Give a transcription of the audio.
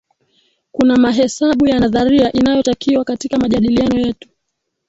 kuna mahesabu ya nadharia inayotakiwa katika majadiliano yetu